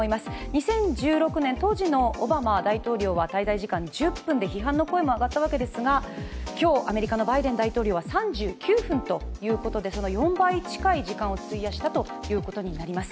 ２０１６年、当時のオバマ大統領は滞在時間１０分で批判の声も上がったわけですが今日、アメリカのバイデン大統領は３９分ということで４倍近い時間を費やしたということになります。